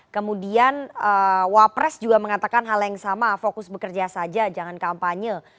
kemudian wapres juga mengatakan hal yang sama fokus bekerja saja jangan kampanye